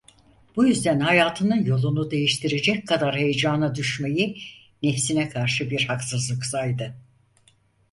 Bu yüzden hayatının yolunu değiştirecek kadar heyecana düşmeyi nefsine karşı bir haksızlık saydı.